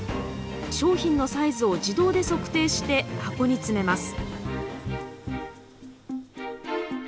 商品のサイズを自動で測定して箱に詰めます。